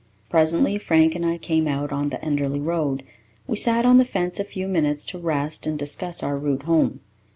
Presently Frank and I came out on the Enderly Road. We sat on the fence a few minutes to rest and discuss our route home.